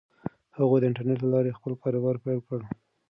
هغوی د انټرنیټ له لارې خپل کاروبار پیل کړ.